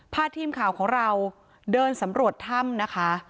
พาทีมข่าวของเราเดินสำรวจถ้ำนะคะ